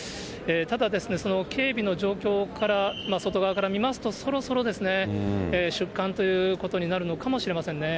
ただ、警備の状況から、外側から見ますと、そろそろですね、出棺ということになるのかもしれませんね。